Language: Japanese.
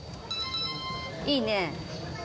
いいね。